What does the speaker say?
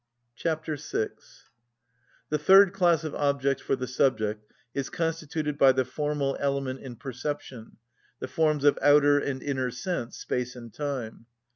Chapter VI. The third class of objects for the subject is constituted by the formal element in perception, the forms of outer and inner sense, space and time.